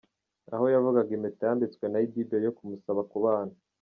Aho yavugaga impeta yambitswe na Idibia yo kumusaba kubana.